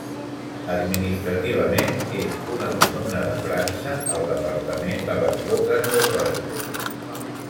Administrativament és una comuna de França al departament de les Boques del Roine.